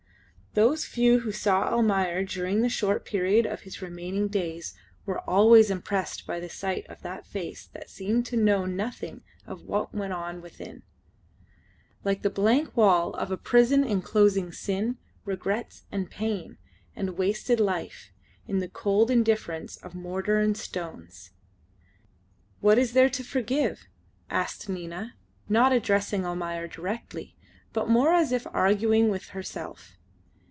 Those few who saw Almayer during the short period of his remaining days were always impressed by the sight of that face that seemed to know nothing of what went on within: like the blank wall of a prison enclosing sin, regrets, and pain, and wasted life, in the cold indifference of mortar and stones. "What is there to forgive?" asked Nina, not addressing Almayer directly, but more as if arguing with herself.